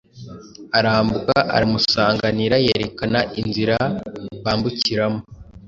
Arambuka aramusanganira, yerekana inzira bambukiramo